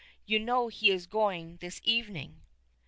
You know he is going this evening?"